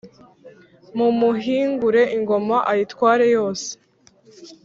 Mumuhingure ingoma ayitware yose